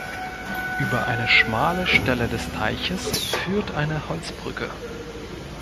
Über eine schmale Stelle des Teiches führt eine Holzbrücke.